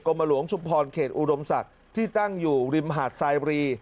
หลวงชุมพรเขตอุดมศักดิ์ที่ตั้งอยู่ริมหาดสายบรี